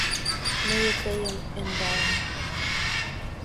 Мые тыйым ӧндалам